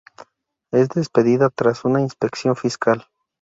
Es despedida tras una inspección fiscal.